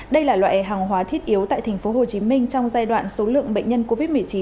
đây là loại hàng hóa thiết yếu tại tp hcm trong giai đoạn số lượng bệnh nhân covid một mươi chín